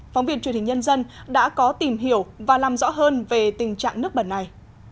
phóng viên truyền hình nhân dân đã có tìm hiểu và làm rõ hơn về tình trạng nước bẩn này